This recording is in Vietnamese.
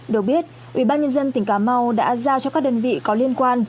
được biết ủy ban nhân dân tỉnh cà mau đã giao cho các đơn vị có liên quan